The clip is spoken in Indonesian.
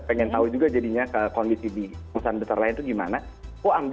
pengen tahu juga jadinya kondisi di perusahaan besar lain itu gimana